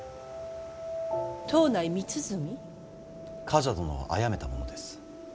冠者殿をあやめた者です。